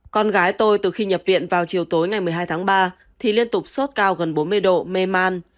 con gái tôi từ khi nhập viện vào chiều tối ngày một mươi hai tháng ba thì liên tục sốt cao gần bốn mươi độ mê man